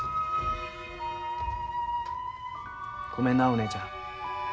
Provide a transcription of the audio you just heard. ごめんなお姉ちゃん。